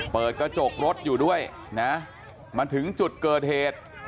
เปิดกระจกรถอยู่ด้วยนะมาถึงจุดเกิดเหตุ